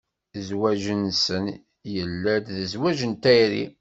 Zzwaǧ-nsen yella-d d zzwaǧ n tayri.